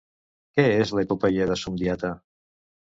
Què és l'Epopeia de Sundiata?